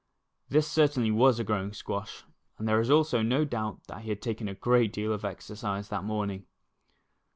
This certainly was a growing squash, and there is also no doubt that he had taken a great deal of exercise that morning.